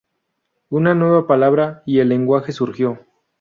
Una nueva Palabra y el Lenguaje surgió.